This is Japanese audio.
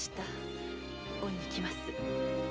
恩に着ます。